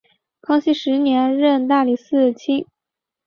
康熙十年任大理寺卿。